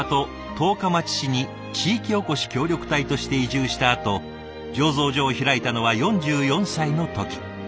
十日町市に地域おこし協力隊として移住したあと醸造所を開いたのは４４歳の時。